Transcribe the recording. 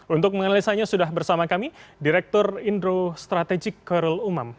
untuk menganalisanya sudah bersama kami direktur indro strategik korul umam